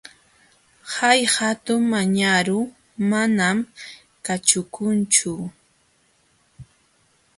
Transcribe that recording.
Hay hatun añaru manam kaćhukunchu.